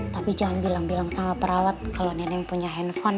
tapi jangan bilang bilang sama perawat kalau neneng punya handphone